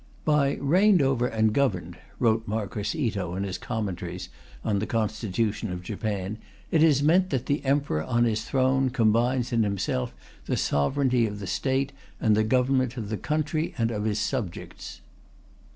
"By reigned over and governed," wrote Marquis Ito in his Commentaries on the Constitution of Japan, "it is meant that the Emperor on His Throne combines in Himself the Sovereignty of the State and the Government of the country and of His subjects."